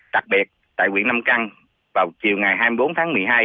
đặc biệt tại nguyễn năm căng vào chiều ngày hai mươi bốn tháng một mươi hai